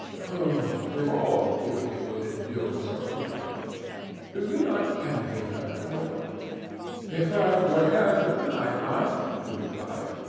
Oh, if all beauty would endure so well! Do you not envy her, Elinor?" "If earth were heaven, I might," she replied.